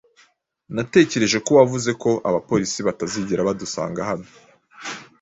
Natekereje ko wavuze ko abapolisi batazigera badusanga hano.